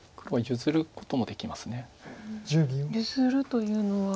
譲るというのは。